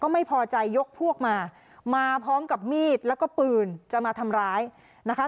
ไม่พอใจยกพวกมามาพร้อมกับมีดแล้วก็ปืนจะมาทำร้ายนะคะ